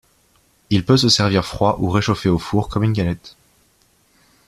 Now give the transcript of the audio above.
Il peut se servir froid ou réchauffé au four comme une galette.